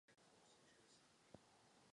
Mám z toho radost.